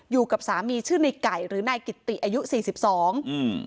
อยู่กับสามีชื่อในไก่หรือนายกิตติอายุสี่สิบสองอืม